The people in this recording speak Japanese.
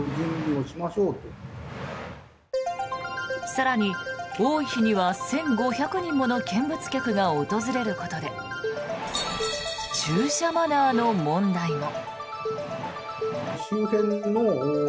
更に、多い日には１５００人もの見物客が訪れることで駐車マナーの問題も。